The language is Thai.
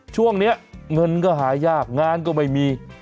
ช่วงนี้เงินก็หายากงานก็ไม่มี